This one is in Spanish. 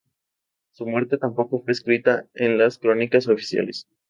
Su muerte tampoco fue escrita en las crónicas oficiales.